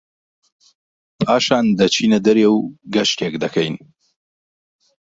پاشان دەچینە دەرێ و گەشتێک دەکەین